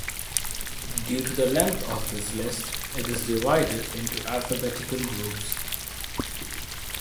Due to the length of this list, it is divided into alphabetical groups.